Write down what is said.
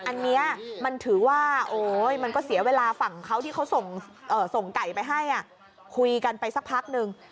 อันนี้มันถือว่าโอ๊ยมันก็เสียเวลาฝั่งเขาที่เขาส่งไก่ไปให้คุยกันไปสักพักนึง